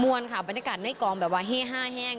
มวลค่ะบรรยากาศนะที่ไปในกองแบบว่าเฮ่ฮ่ะแห่ง